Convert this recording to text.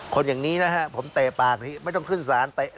คนอย่างนี้นะฮะผมเตะปากไม่ต้องขึ้นสารเตะ